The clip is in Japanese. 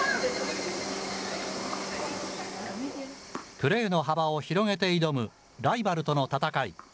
プレーの幅を広げて挑むライバルとの戦い。